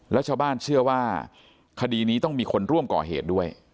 และชาวบ้านเชื่อว่าคดีนี้ต้องมีคนร่วมก่อเหตุด้วย